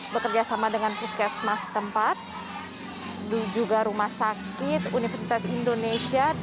bekerja sama dengan puskesmas tempat juga rumah sakit universitas indonesia